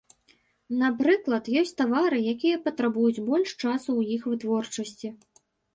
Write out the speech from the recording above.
Напрыклад, ёсць тавары, якія патрабуюць больш часу ў іх вытворчасці.